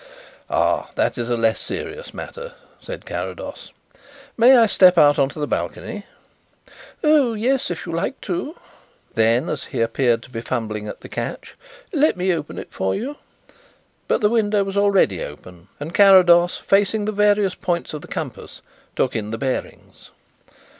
"Ah, that is a less serious matter," said Carrados. "May I step out on to the balcony?" "Oh yes, if you like to." Then, as he appeared to be fumbling at the catch, "Let me open it for you." But the window was already open, and Carrados, facing the various points of the compass, took in the bearings.